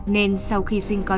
nên sau khi sinh con